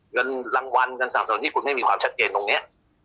เงินรางวัลเงินสนับสนุนคุณไม่มีความชัดเจนตรงนี้